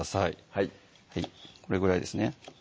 はいこれぐらいですね